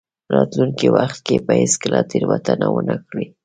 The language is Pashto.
راتلونکي وخت کې به هېڅکله تېروتنه ونه کړئ.